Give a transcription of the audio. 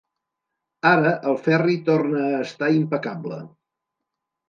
Ara el Ferri torna a estar impecable.